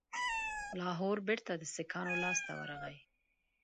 لاهور بیرته د سیکهانو لاسته ورغی.